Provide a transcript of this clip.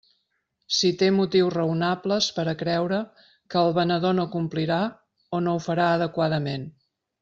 Si té motius raonables per a creure que el venedor no complirà o no ho farà adequadament.